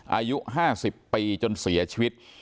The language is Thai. อายุ๕๐ปีจนเสียชีวิต